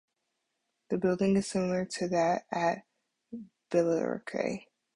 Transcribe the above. The building is similar to that at Billericay.